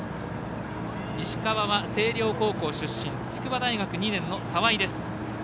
石川は星稜高校出身筑波大学２年の澤井です。